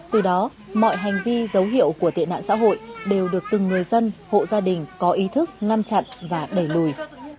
từ đó mọi hành vi dấu hiệu của tệ nạn xã hội đều được từng người dân hộ gia đình có ý thức ngăn chặn và đẩy lùi